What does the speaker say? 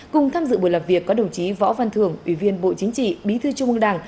cùng tham dự buổi làm việc có đồng chí võ văn thường ủy viên bộ chính trị bí thư trung ương đảng